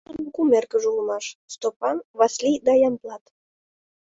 Тудын кум эргыже улмаш: Стопан, Васли да Ямблат.